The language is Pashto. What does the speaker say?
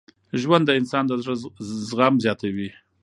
ژوند د انسان د زړه زغم زیاتوي.